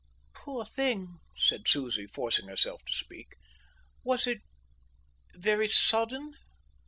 "Poor thing!" said Susie, forcing herself to speak. "Was it—very sudden?"